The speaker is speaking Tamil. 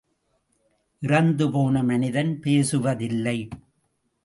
இறந்துபோன மனிதன் பேசுவதில்லை!